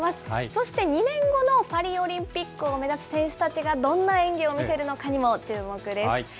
そして２年後のパリオリンピックを目指す選手たちが、どんな演技を見せるのかにも注目です。